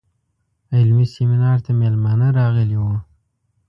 علمي سیمینار ته میلمانه راغلي وو.